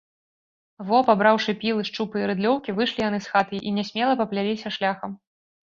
Во, пабраўшы пілы, шчупы і рыдлёўкі, выйшлі яны з хаты і нясмела папляліся шляхам.